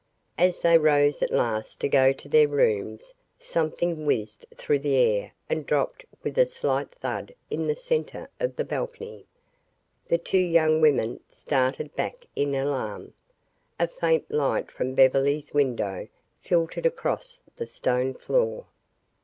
As they rose at last to go to their rooms, something whizzed through the air and dropped with a slight thud in the center of the balcony. The two young women started back in alarm. A faint light from Beverly's window filtered across the stone floor.